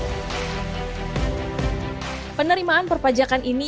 penerimaan perpajakan ini yang membawa kembali ke indonesia